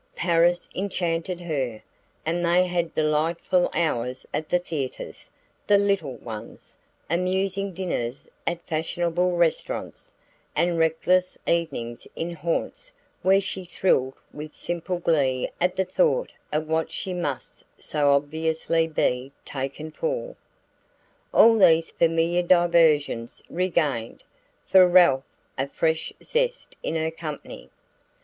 Paris enchanted her, and they had delightful hours at the theatres the "little" ones amusing dinners at fashionable restaurants, and reckless evenings in haunts where she thrilled with simple glee at the thought of what she must so obviously be "taken for." All these familiar diversions regained, for Ralph, a fresh zest in her company.